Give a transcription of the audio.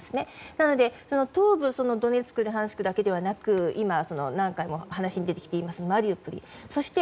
なので、東部のドネツクルハンシクだけではなく今、おっしゃっていたようにマリウポリ。